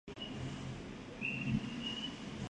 Al enfriar, se la esparce sobre la masa quebrada.